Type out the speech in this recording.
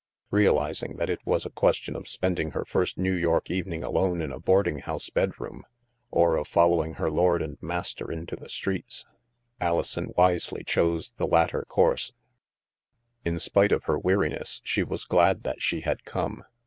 Realizing that it was a question of spending her first New York evening alone in a boarding house bedroom, or of following her lord and master into the streets, Alison wisely chose the latter course. ii6 THE MASK In spite of her weariness, she was glad that she had come.